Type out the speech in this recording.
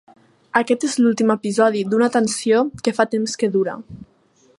Aquest és l’últim episodi d’una tensió que fa temps que dura.